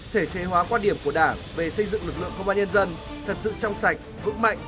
thể chế hóa quan điểm của đảng về xây dựng lực lượng công an nhân dân thật sự trong sạch vững mạnh